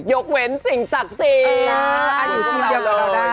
ยกเว้นสิ่งศักดิ์สีให้อยู่ทีเดียวเราได้นะครับเอาล่ะ